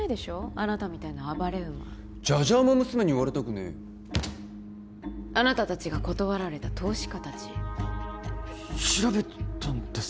あなたみたいな暴れ馬じゃじゃ馬娘に言われたくねえあなた達が断られた投資家達調べたんですか？